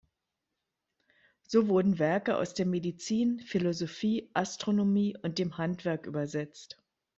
So wurden Werke aus der Medizin, Philosophie, Astronomie und dem Handwerk übersetzt.